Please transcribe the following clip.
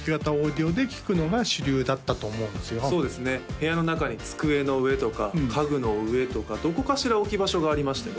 部屋の中に机の上とか家具の上とかどこかしら置き場所がありましたよ